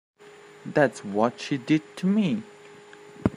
That's what she did to me.